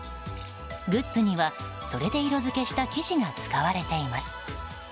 グッズには、それで色づけした生地が使われています。